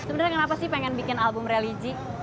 sebenarnya kenapa sih pengen bikin album religi